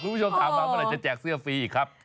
คุณผู้ชมถามมาเมื่อไหร่จะแจกเสื้อฟรีอีกครับ